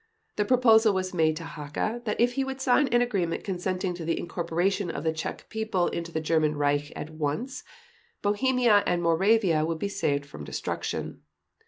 The proposal was made to Hacha that if he would sign an agreement consenting to the incorporation of the Czech people in the German Reich at once, Bohemia and Moravia would be saved from destruction.